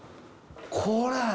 これ。